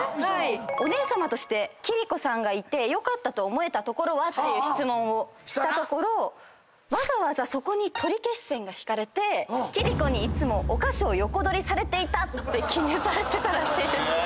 お姉さまとして貴理子さんがいてよかったと思えたところは？という質問をしたところわざわざそこに取り消し線が引かれて「キリコにいつもお菓子を横取りされていた！」って記入されてたらしいです。